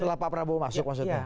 setelah pak prabowo masuk maksudnya